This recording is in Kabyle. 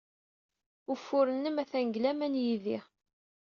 Ufur-nnem atan deg laman yid-i.